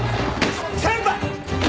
先輩！